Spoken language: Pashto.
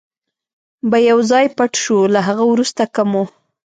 به یو ځای پټ شو، له هغه وروسته که مو.